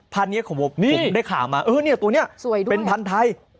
พันธุ์นี้ผมก็ได้ขาวเออตัวนี้เป็นพันธุ์ไทย